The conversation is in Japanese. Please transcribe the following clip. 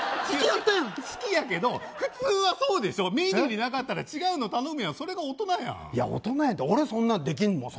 好きやけど普通はそうでしょメニューになかったら違うの頼むやんそれが大人やんいや大人やんって俺そんなんできんもん